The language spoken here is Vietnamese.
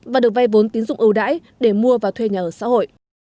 và được vay vốn tín dụng ưu đãi để mua và thuê nhà ở xã hội